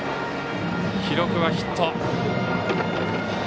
記録はヒット。